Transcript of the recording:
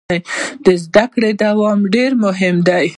د زده کړې دوام ډیر مهم دی.